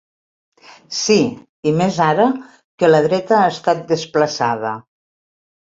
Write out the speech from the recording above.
Sí, i més ara que la dreta ha estat desplaçada.